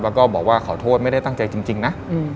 แล้วก็บอกว่าขอโทษไม่ได้ตั้งใจจริงนะ